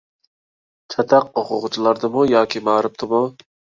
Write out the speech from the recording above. چاتاق ئوقۇغۇچىلاردىمۇ ياكى مائارىپتىمۇ؟